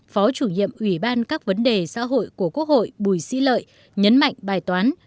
phó chủ nhiệm ủy ban các vấn đề xã hội của quốc hội bùi sĩ lợi nhấn mạnh bài toán